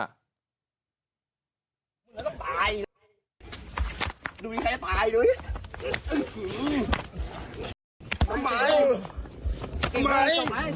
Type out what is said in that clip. แล้วก็ตาย